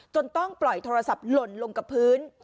ต้องปล่อยโทรศัพท์หล่นลงกับพื้น